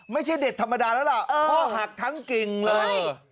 ไม่ใช่เด็กธรรมดาแล้วล่ะพ่อหักทั้งกิ่งเลย